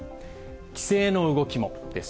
規制の動きもです。